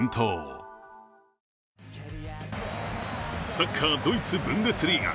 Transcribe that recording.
サッカー、ドイツ、ブンデスリーガ。